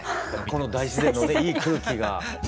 この大自然のねいい空気が。